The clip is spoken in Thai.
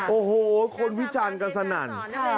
โอ้โฮคนวิจันทร์กันสนั่น